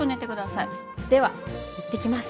では行ってきます。